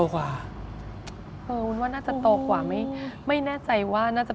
ก็มันมีกระจก